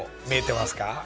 見えてますか？